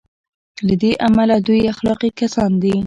له دې امله دوی اخلاقي کسان دي.